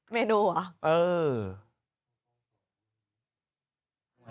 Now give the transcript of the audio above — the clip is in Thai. เมนูเหรออือ